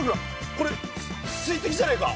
これ水滴じゃねえか？